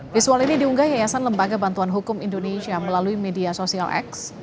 visual ini diunggah yayasan lembaga bantuan hukum indonesia melalui media sosial x